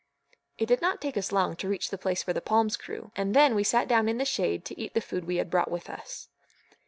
It did not take us long to reach the place where the palms grew, and then we sat down in the shade to eat the food we had brought with us.